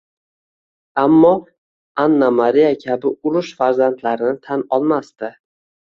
Ammo Anna-Mariya kabi urush farzandlarini tan olmasdi